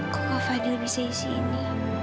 kok om fadil bisa isi ini